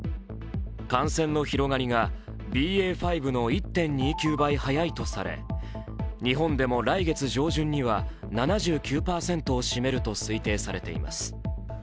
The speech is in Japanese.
感染の広がりがＢＡ．５の１．２９倍速いとされ、日本でも来月上旬には７９％を占めると推定されています。